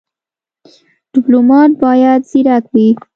ډيپلومات بايد ځيرک وي.